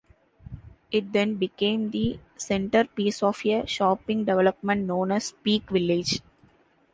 It then became the centrepiece of a shopping development known as Peak Village.